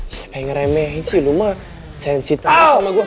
siapa yang ngeremehin sih lo mah sensitif sama gue